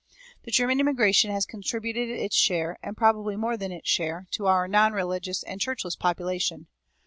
[318:1] The German immigration has contributed its share, and probably more than its share, to our non religious and churchless population.